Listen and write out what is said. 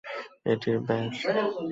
এটির ব্যাস।